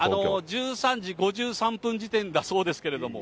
１３時５３分時点だそうですけれども。